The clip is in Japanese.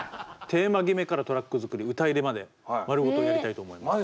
テーマ決めからトラック作り歌入れまで丸ごとやりたいと思います。